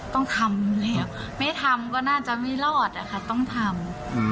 ต้องทำแล้วไม่ทำก็น่าจะไม่รอดอะค่ะต้องทำ